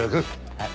はい。